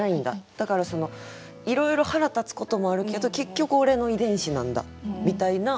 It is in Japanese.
だからそのいろいろ腹立つこともあるけど結局俺の遺伝子なんだみたいなことなのかな。